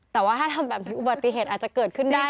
แต่ว่าถ้าทำแบบนี้อุบัติเหตุอาจจะเกิดขึ้นได้